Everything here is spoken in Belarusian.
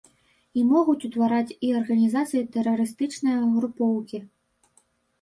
Іх могуць утвараць і арганізацыі тэрарыстычныя групоўкі.